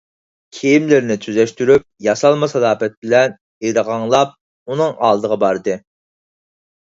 كىيىملىرىنى تۈزەشتۈرۈپ، ياسالما سالاپەت بىلەن ئىرغاڭلاپ ئۇنىڭ ئالدىغا باردى.